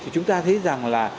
chúng ta thấy rằng là